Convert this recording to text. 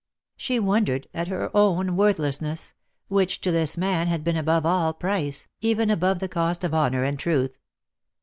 She wondered at her own worthlessness, which to this man had been above all price, even above the cost of honour and truth.